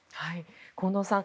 近藤さん